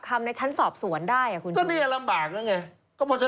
ตัวนี้แหละครับที่สำคัญคุณมิน